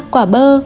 ba quả bơ